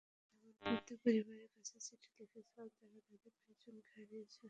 আমি এমন প্রত্যেক পরিবারের কাছে চিঠি লিখেছিলাম যারা তাদের প্রিয়জনকে হারিয়েছে।